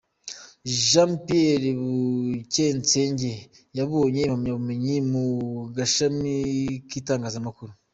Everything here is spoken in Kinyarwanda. Jean Pierre Bucyensenge: yabonye impamyabumenyi mu gashami k’Itangazamakuru.